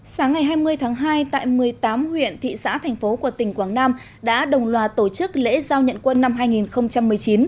sáng ngày hai mươi tháng hai tại một mươi tám huyện thị xã thành phố của tỉnh quảng nam đã đồng loạt tổ chức lễ giao nhận quân năm hai nghìn một mươi chín